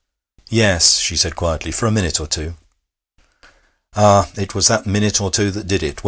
'Yes,' she said quietly, 'for a minute or two.' 'Ah! It was that minute or two that did it.